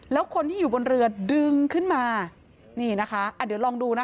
แล้วคนที่อยู่บนเรือดึงขึ้นมานี่นะคะอ่ะเดี๋ยวลองดูนะคะ